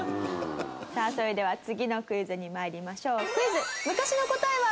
さあそれでは次のクイズに参りましょう。